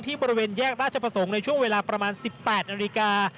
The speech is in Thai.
บริเวณแยกราชประสงค์ในช่วงเวลาประมาณ๑๘นาฬิกา